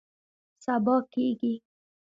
سبا کیږي